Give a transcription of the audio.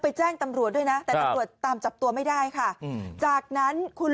แจ้งตำรวจด้วยนะแต่ตำรวจตามจับตัวไม่ได้ค่ะจากนั้นคุณ